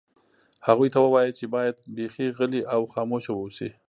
هغوی ته ووایه چې باید بیخي غلي او خاموشه واوسي